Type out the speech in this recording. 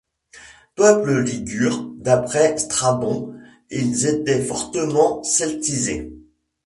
Peuple Ligure, d'après Strabon, ils étaient fortement celtisés.